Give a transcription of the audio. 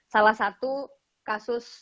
salah satu kasus